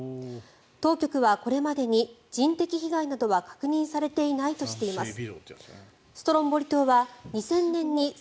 当局はこれまでに人的被害などは確認されていないとしています。